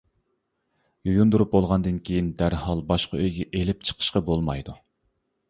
يۇيۇندۇرۇپ بولغاندىن كېيىن دەرھال باشقا ئۆيگە ئېلىپ چىقىشقا بولمايدۇ.